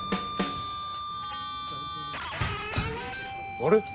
・あれ？